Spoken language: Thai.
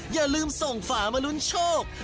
อย่าลืมส่งฝามาลุ้นโชค